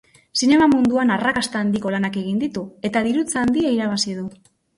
Zinema munduan arrakasta handiko lanak egin ditu, eta dirutza handia irabazi du.